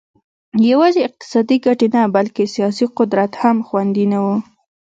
یوازې اقتصادي ګټې نه بلکې سیاسي قدرت هم خوندي نه و